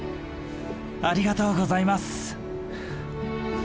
ありがとうございます。